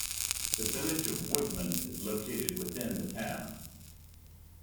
The Village of Woodman is located within the town.